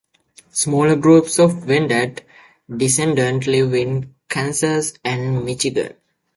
Smaller groups of Wendat descendants live in Kansas and Michigan.